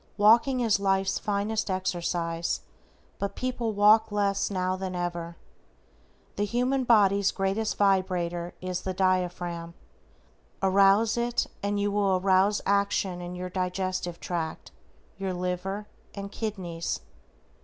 Walking is life's finest exercise, but people walk less now than ever. The human body's great vibrator is the diaphragm. Arouse it and you will arouse action in your digestive tract, your liver, and kidneys.